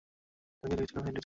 আমি তোকে দেখেছিলাম, হেনরি জেমস।